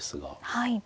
はい。